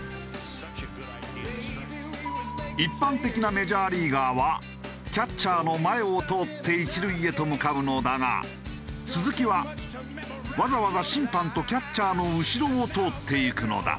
一般的なメジャーリーガーはキャッチャーの前を通って一塁へと向かうのだが鈴木はわざわざ審判とキャッチャーの後ろを通って行くのだ。